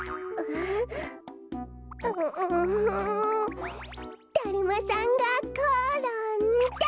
ううだるまさんがころんだ！